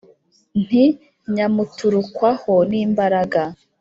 nti: nyamuturukwaho n'imbaraga